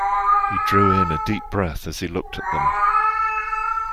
He drew in a deep breath as he looked at them.